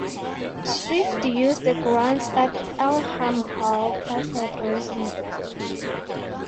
Swift used the grounds at Earlham Hall as her dressing room.